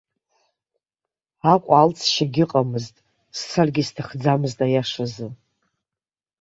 Аҟәа алҵшьагьы ыҟамызт, сцаргьы сҭахӡамызт аиашазы.